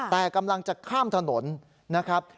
แต่กำลังจะข้ามถนนนะครับ